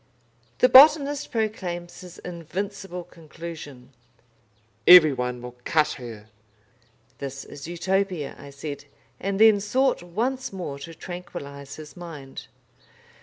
The botanist proclaims his invincible conclusion: "Everyone would cut her!" "This is Utopia," I said, and then sought once more to tranquillise his mind.